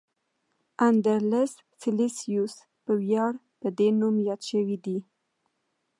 اندرلس سلسیوس په ویاړ په دې نوم یاد شوی دی.